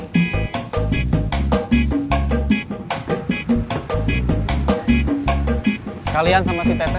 sekalian sama si tepe